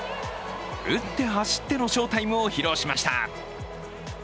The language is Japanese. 打って、走っての翔タイムを披露しました。